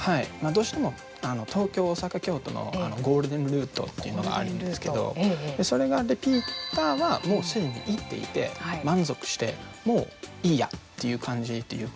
どうしても東京大阪京都のゴールデンルートっていうのがあるんですけどそれがリピーターはもう既に行っていて満足してもういいやっていう感じっていうか。